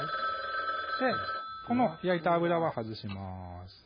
この焼いた油は外します